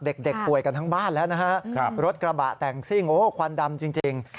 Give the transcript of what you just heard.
เด็กป่วยกันทั้งบ้านแล้วนะฮะรถกระบะแต่งซิ่งโอ้ควันดำจริง